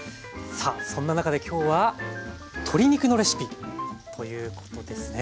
さあそんな中で今日は鶏肉のレシピということですね。